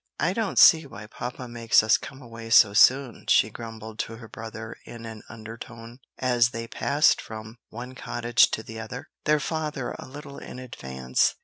"I don't see why papa makes us come away so soon," she grumbled to her brother in an undertone, as they passed from one cottage to the other, their father a little in advance.